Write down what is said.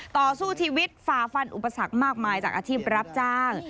ต่อสู้ชีวิตฝ่าฟันอุปสรรคมากมายจากอาชีพรับจ้าง